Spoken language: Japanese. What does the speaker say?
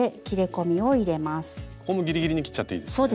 ここもギリギリに切っちゃっていいんですね。